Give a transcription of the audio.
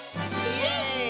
イエーイ！